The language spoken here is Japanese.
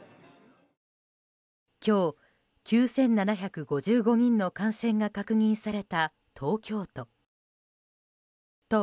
今日、９７５５人の感染が確認された東京都。